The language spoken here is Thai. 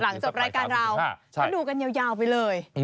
จบรายการเราก็ดูกันยาวไปเลย